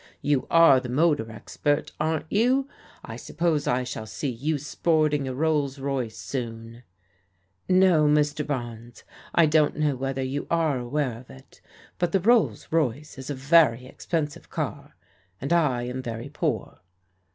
You are the motor expert, aren't you? I suppose I shall see you sporting a Rolls Royce soon ?"" No, Mr. Barnes, I don't know whether you are aware of it, but the Rolls Royce is a very expensive car, and I am very poor."